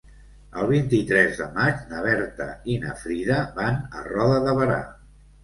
El vint-i-tres de maig na Berta i na Frida van a Roda de Berà.